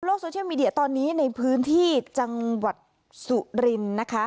โซเชียลมีเดียตอนนี้ในพื้นที่จังหวัดสุรินทร์นะคะ